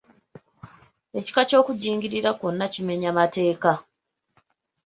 Ekika ky'okujingirira kwonna kimenya mateeka.